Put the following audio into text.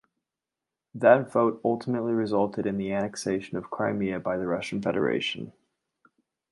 That vote ultimately resulted in the annexation of Crimea by the Russian Federation.